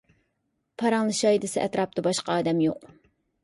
پاراڭلىشاي دېسە ئەتراپتا باشقا ئادەم يوق.